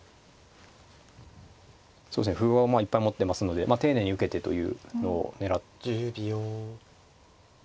歩をいっぱい持ってますので丁寧に受けてというのを狙ってますかね。